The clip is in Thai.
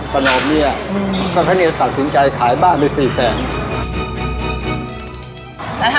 ผนมเนี่ยก็ได้ตัดสินใจขายบ้านไป๔๐๐บาท